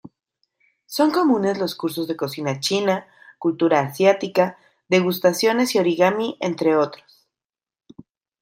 Son comunes los cursos de cocina china, cultura asiática, degustaciones y origami, entre otros.